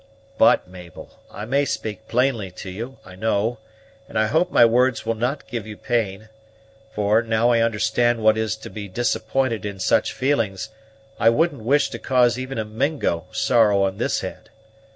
But, Mabel; I may speak plainly to you, I know; and I hope my words will not give you pain; for, now I understand what it is to be disappointed in such feelings, I wouldn't wish to cause even a Mingo sorrow on this head.